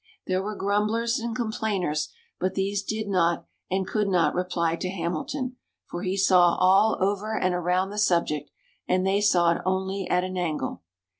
There were grumblers and complainers, but these did not and could not reply to Hamilton, for he saw all over and around the subject, and they saw it only at an angle.